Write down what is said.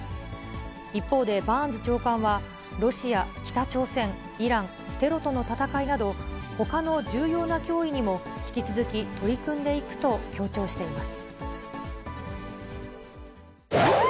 一方で、バーンズ長官は、ロシア、北朝鮮、イラン、テロとの戦いなど、ほかの重要な脅威にも引き続き取り組んでいくと強調しています。